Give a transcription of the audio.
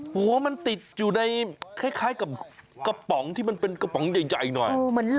หัวมันติดอยู่ในกระป๋องที่เป็นกระป๋องใหญ่หน่อย